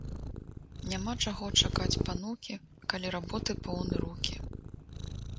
Няма чаго чакаць панукі, калі работы поўны рукі